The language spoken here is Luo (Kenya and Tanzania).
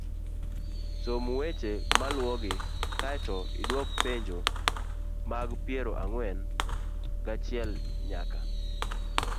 Som weche maluwogi kae to idwok penjo mag piero ang'wen gachiel nyaka